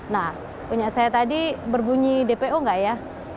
nah punya saya tadi berbunyi dpo nggak ya